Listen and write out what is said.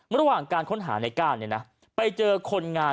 ระหว่างการค้นหาในก้านเนี่ยนะไปเจอคนงาน